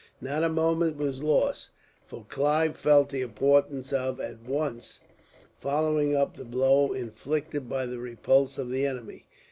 Not a moment was lost, for Clive felt the importance of, at once, following up the blow inflicted by the repulse of the enemy.